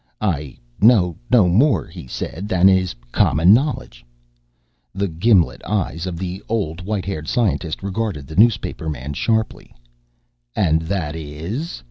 "I know no more," he said, "than is common knowledge." The gimlet eyes of the old white haired scientist regarded the newspaperman sharply. "And that is?"